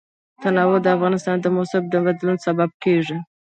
تنوع د افغانستان د موسم د بدلون سبب کېږي.